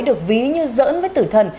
được ví như dỡn với tử thần